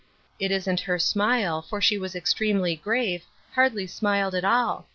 It isn't her smile, for she was extremely grave, hardly smiled at all.